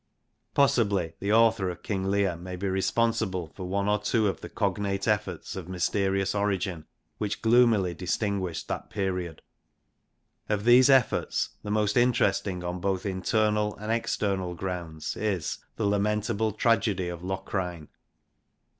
Possibly the author of King Leir may be responsible INTRODUCTION xxi for one or two of the cognate efforts of mysterious origin which gloomily distinguished that period. Of these efforts the most interesting en both internal and external grounds is The lamentable tragedie of Locrine.